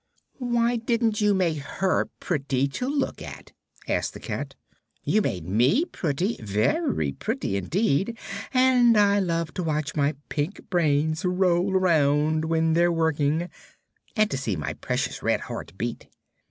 "Why didn't you make her pretty to look at?" asked the cat. "You made me pretty very pretty, indeed and I love to watch my pink brains roll around when they're working, and to see my precious red heart beat."